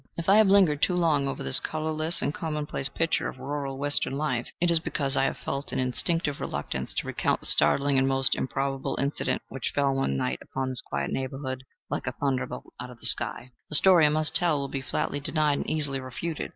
If I have lingered too long over this colorless and commonplace picture of rural Western life, it is because I have felt an instinctive reluctance to recount the startling and most improbable incident which fell one night upon this quiet neighborhood, like a thunderbolt out of blue sky. The story I must tell will be flatly denied and easily refuted.